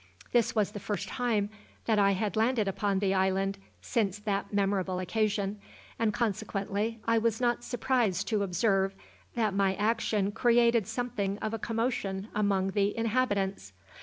This was the first time that I had landed upon the island since that memorable occasion, and consequently I was not surprised to observe that my action created something of a commotion among the inhabitants.